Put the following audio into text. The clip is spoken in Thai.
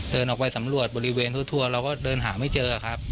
เดินออกไปสำรวจบริเวณทั่วเราก็เดินหาไม่เจอครับ